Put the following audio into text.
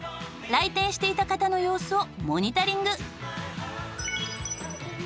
来店していた方の様子をモニタリング。